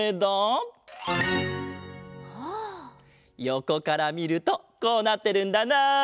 よこからみるとこうなってるんだな。